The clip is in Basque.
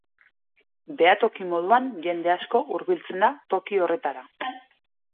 Behatoki moduan jende asko hurbiltzen da toki horretara.